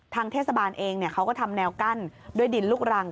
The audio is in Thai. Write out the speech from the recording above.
เทศบาลเองเขาก็ทำแนวกั้นด้วยดินลูกรัง